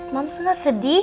moms nggak sedih